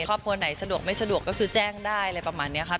ครอบครัวไหนสะดวกไม่สะดวกก็คือแจ้งได้อะไรประมาณนี้ครับ